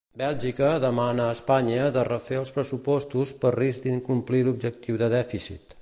Bèlgica demana a Espanya de refer els pressupostos per risc d'incomplir l'objectiu de dèficit.